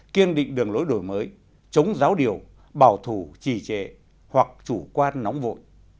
kiên định đường lối đổi mới chống giáo điều bảo thủ trì trệ hoặc chủ quan nóng vội